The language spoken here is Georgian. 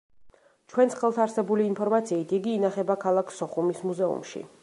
ჩვენს ხელთ არსებული ინფორმაციით, იგი ინახება ქალაქ სოხუმის მუზეუმში.